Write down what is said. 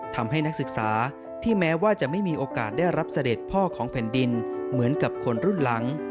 นักศึกษาที่แม้ว่าจะไม่มีโอกาสได้รับเสด็จพ่อของแผ่นดินเหมือนกับคนรุ่นหลัง